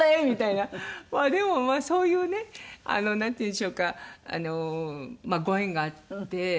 まあでもそういうねなんていうんでしょうかご縁があって。